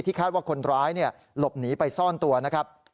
คาดว่าคนร้ายหลบหนีไปซ่อนตัวนะครับ